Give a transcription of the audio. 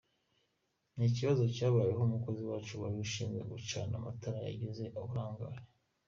Ni ikibazo cyabayeho umukozi wacu wari ushinzwe gucana amatara yagize uburangare.